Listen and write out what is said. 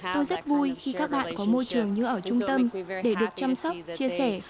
tôi rất vui khi các bạn có môi trường như ở trung tâm để được chăm sóc chia sẻ